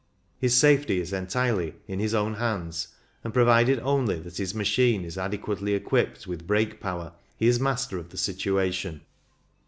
His safety is entirely in his own hands, and provided only that his machine is adequately equipped with brake power, he is master of the situation.